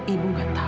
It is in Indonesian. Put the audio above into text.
ibu tidak tahu